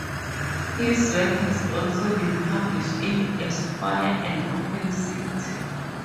His work has also been published in "Esquire" and "Open City".